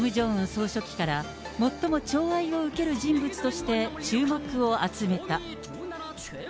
総書記から最もちょう愛を受ける人物として、注目を集めた。